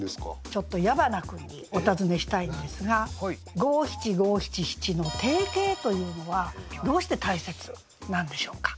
ちょっと矢花君にお尋ねしたいんですが五七五七七の定型というのはどうして大切なんでしょうか？